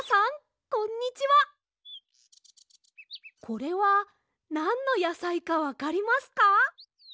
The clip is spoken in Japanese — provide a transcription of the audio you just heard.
これはなんのやさいかわかりますか？